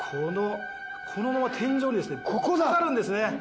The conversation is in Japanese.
このまま天井に当たるんですね。